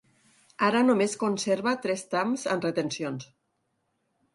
Ara només conserva tres trams amb retencions.